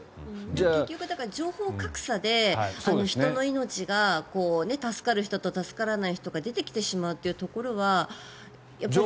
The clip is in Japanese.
結局、情報格差で人の命が助かる人と助からない人が出てきてしまうというところはやっぱり。